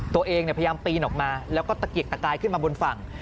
ตัวเองพยายามปีนออกมาแล้วก็ตะเกียกตะกายขึ้นมาบนฝั่ง